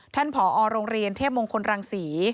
ผอโรงเรียนเทพมงคลรังศรี